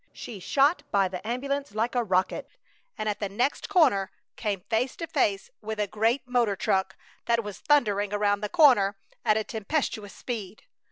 She shot by the ambulance like a rocket, and at the next corner came face to face with a great motor truck that was thundering around the corner at a tempestuous speed.